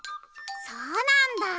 そうなんだあ。